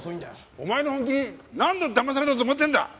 お前の本気に何度だまされたと思ってるんだ！